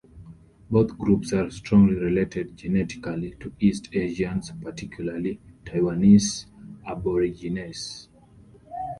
Both groups are strongly related genetically to East Asians, particularly Taiwanese aborigines.